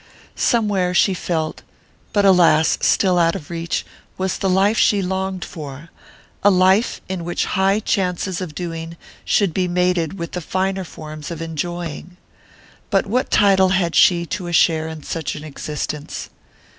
Somewhere, she felt but, alas! still out of reach was the life she longed for, a life in which high chances of doing should be mated with the finer forms of enjoying. But what title had she to a share in such an existence?